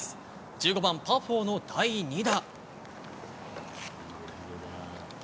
１５番、パー４の第２打。